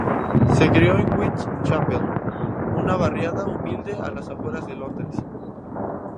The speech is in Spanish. Se crio en Whitechapel, una barriada humilde a las afueras de Londres.